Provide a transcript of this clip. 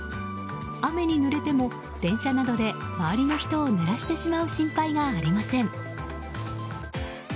雨にぬれても電車などで周りの人をぬらしてしまう心配がありません。